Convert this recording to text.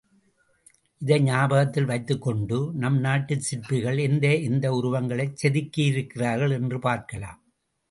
இதை ஞாபகத்தில் வைத்துக்கொண்டு நம் நாட்டுச் சிற்பிகள் எந்த எந்த உருவங்களைச் செதுக்கியிருக்கிறார்கள் என்று பார்க்கலாம்.